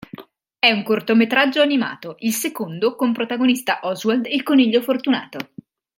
È un cortometraggio animato, il secondo con protagonista Oswald il coniglio fortunato.